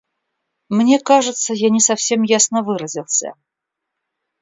Мне кажется, я не совсем ясно выразился.